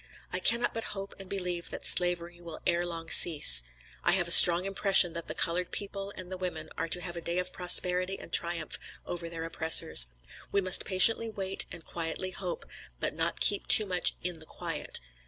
I cannot but hope and believe that slavery will ere long cease. I have a strong impression that the colored people and the women are to have a day of prosperity and triumph over their oppressors. We must patiently wait and quietly hope; but not keep too much 'in the quiet.'